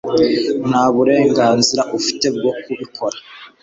nta burenganzira ufite bwo kubikora